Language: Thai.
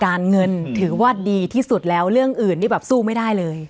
การเงินถือว่าดีที่สุดแล้วเรื่องอื่นนี่แบบสู้ไม่ได้เลย